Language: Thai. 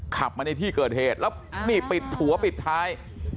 ขับมาในที่เกิดเหตุแล้วนี่ปิดหัวปิดท้าย